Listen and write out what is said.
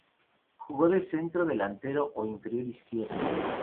Jugó de centro delantero o interior izquierdo.